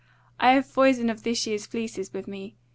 I have foison of this year's fleeces with me.